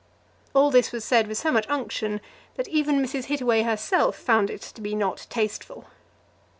All this was said with so much unction that even Mrs. Hittaway herself found it to be not "tasteful."